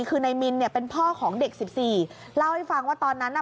คือนายมินเนี่ยเป็นพ่อของเด็กสิบสี่เล่าให้ฟังว่าตอนนั้นน่ะ